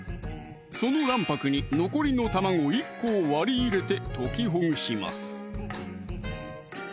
その卵白に残りの卵１個を割り入れて溶きほぐします